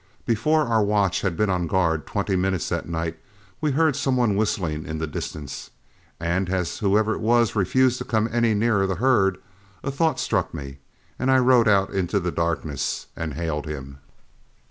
Before our watch had been on guard twenty minutes that night, we heard some one whistling in the distance; and as whoever it was refused to come any nearer the herd, a thought struck me, and I rode out into the darkness and hailed him.